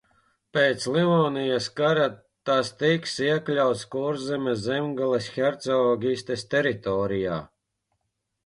Pēc Livonijas kara tas tika iekļauts Kurzemes un Zemgales hercogistes teritorijā.